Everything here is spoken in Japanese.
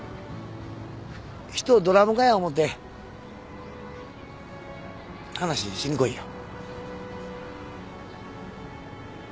人をドラム缶や思うて話しに来いよ。